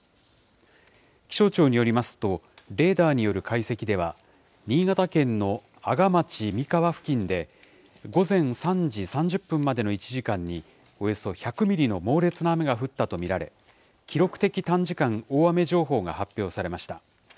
気象庁によりますと、レーダーによる解析では、新潟県の阿賀町三川付近で、午前３時３０分までの１時間に、およそ１００ミリの猛烈な雨が降ったと見られ、記録的短時間大雨情報が発表されました。